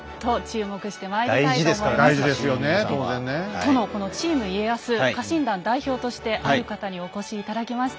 殿このチーム家康家臣団代表としてある方にお越し頂きました。